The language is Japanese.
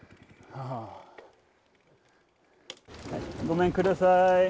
ごめんください。